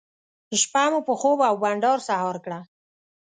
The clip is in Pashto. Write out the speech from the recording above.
شپه مو په خوب او بانډار سهار کړه.